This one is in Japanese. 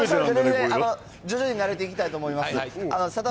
徐々に慣れていきたいと思います。